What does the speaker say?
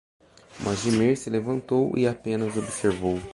Mojmir se levantou e apenas observou.